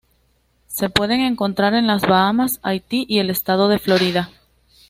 Se pueden encontrar en las Bahamas, Haití y el estado de Florida.